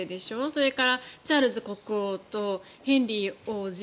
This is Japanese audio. それから、チャールズ国王とヘンリー王子